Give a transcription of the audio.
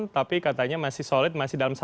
tapi katanya masih solid masih dalam